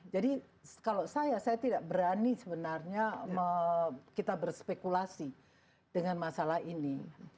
jadi kalau saya saya tidak berani sebenarnya kita berspekulasi dengan masalah ini